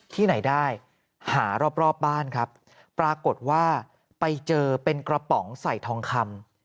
ที่ไหนได้หารอบรอบบ้านครับปรากฏว่าไปเจอเป็นกระป๋องใส่ทองคำ